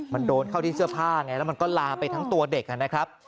มันโดนเข้าที่เสื้อผ้าไงแล้วมันก็ลามไปทั้งตัวเด็กนะครับ